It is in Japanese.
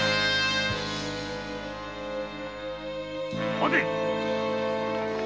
・・待て！